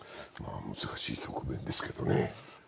難しい局面ですけどね。